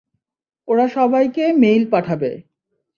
ওরা সবাইকে মেইল পাঠাবে।